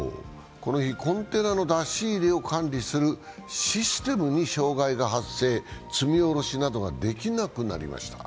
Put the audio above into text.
この日、コンテナの出し入れを管理するシステムに障害が発生、積み下ろしなどができなくなりました。